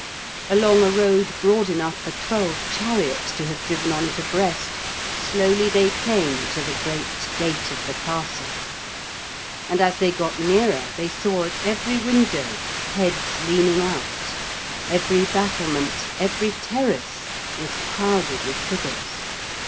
Along a road broad enough for twelve chariots to have driven on it abreast, slowly they came to the great gate of the castle. And as they got nearer, they saw at every window heads leaning out; every battlement, every terrace, was crowded with figures.